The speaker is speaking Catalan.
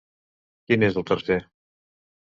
Quin és el tercer?.